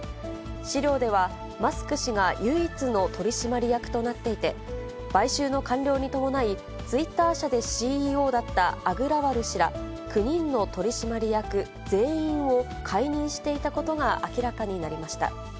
資料では、マスク氏が唯一の取締役となっていて、買収の完了に伴い、ツイッター社でＣＥＯだったアグラワル氏ら９人の取締役全員を解任していたことが明らかになりました。